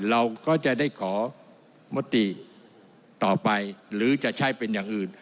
เราก็จะได้ขอมติต่อไปหรือจะใช่เป็นอย่างอื่น